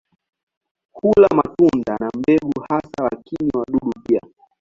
Hula matunda na mbegu hasa lakini wadudu pia.